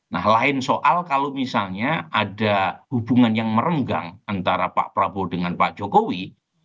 nah lain soal kalau misalnya ada hubungan yang merenggang antara pak prabowo dengan pak jokowi